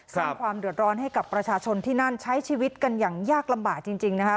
สร้างความเดือดร้อนให้กับประชาชนที่นั่นใช้ชีวิตกันอย่างยากลำบากจริงนะคะ